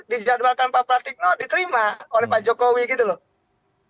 dijadwalkan pak pratikno diterima oleh pak jokowi gitu loh